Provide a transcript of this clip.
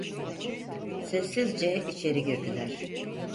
Sessizce içeri girdiler.